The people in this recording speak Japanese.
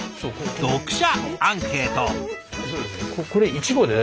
読者アンケート。